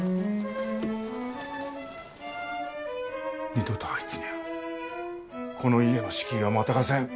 二度とあいつにゃあこの家の敷居はまたがせん。